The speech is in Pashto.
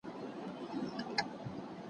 د لويي جرګې تاریخي اسناد څه ډول ساتل کېږي؟